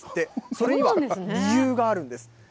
それには理由があるんです。